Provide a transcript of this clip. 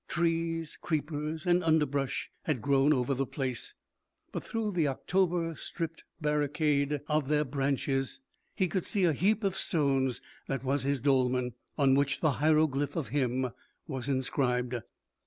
Trees, creepers, and underbrush had grown over the place, but through the October stripped barricade of their branches he could see a heap of stones that was his dolmen, on which the hieroglyph of him was inscribed.